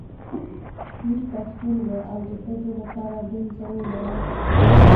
پیر پښتون و او د ښځو لپاره بېل ځایونه وو.